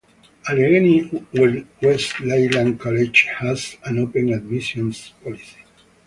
Allegheny Wesleyan College has an open admissions policy.